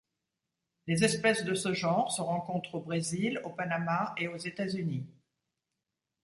Les espèces de ce genre se rencontrent au Brésil, au Panama et aux États-Unis.